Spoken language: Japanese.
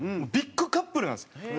ビッグカップルなんです。